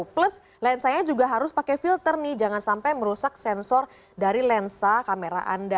plus lensanya juga harus pakai filter nih jangan sampai merusak sensor dari lensa kamera anda